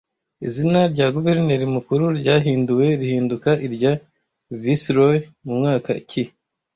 Izina rya Guverineri Mukuru ryahinduwe rihinduka irya Viceroy mu mwaka ki